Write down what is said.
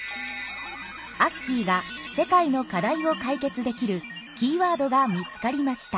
アッキーが世界の課題を解決できるキーワードが見つかりました。